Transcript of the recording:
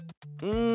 うん！